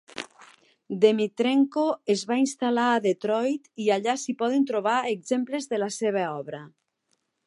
Dmytrenko es va instal·lar a Detroit i allà s'hi poden trobar exemples de la seva obra.